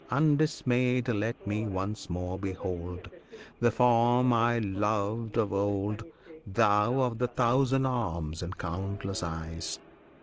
Undismayed Let me once more behold The form I loved of old, Thou of the thousand arms and countless eyes!